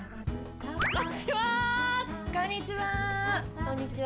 こんにちは！